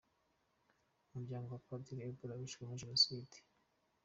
Umuryango ya Padiri Ubald wishwe muri Jenoside .